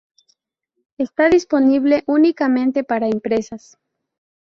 Está disponible únicamente para empresas.